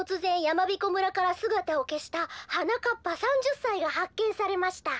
やまびこ村からすがたをけしたはなかっぱ３０さいがはっけんされました」。